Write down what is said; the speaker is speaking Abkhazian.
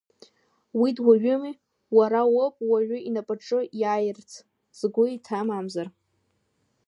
Уи дуаҩыми, уара уоуп уаҩы инапаҿы иааирц згәы иҭам амзар.